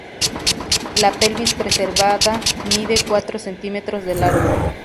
La pelvis preservada mide cuatro centímetros de largo.